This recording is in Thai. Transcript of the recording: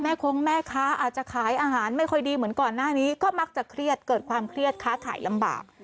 คงแม่ค้าอาจจะขายอาหารไม่ค่อยดีเหมือนก่อนหน้านี้ก็มักจะเครียดเกิดความเครียดค้าขายลำบาก